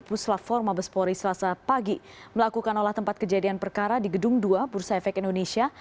puslap empat mabespori selasa pagi melakukan olah tempat kejadian perkara di gedung dua bursa efek indonesia